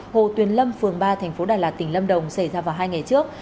hồ tuyền lâm phường ba thành phố đà lạt tỉnh lâm đồng xảy ra vào hai ngày trước